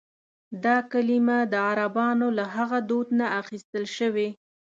دا کلیمه د عربانو له هغه دود نه اخیستل شوې.